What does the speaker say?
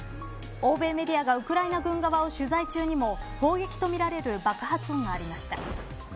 欧米メディアがウクライナ軍側を取材中にも砲撃とみられる爆発音がありました。